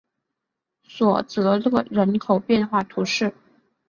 索泽勒人口变化图示